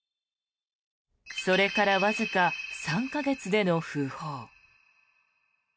それからわずか３か月での訃報。